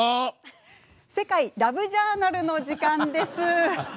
「世界ＬＯＶＥジャーナル」の時間です。